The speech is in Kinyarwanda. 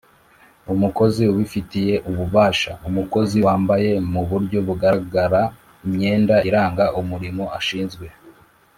Umukozi ubifitiye ububashaUmukozi wambaye mu buryo bugarara imyenda iranga imirimo ashinzwe